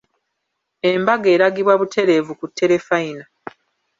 Embaga eragibwa butereevu ku terefayina.